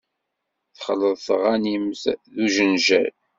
Texleḍ tɣanimt d ujenjal.